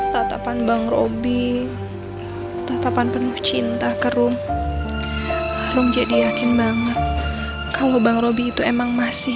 tatapan bang robby tatapan penuh cinta ke rum jadi yakin banget kalau bang robby itu emang masih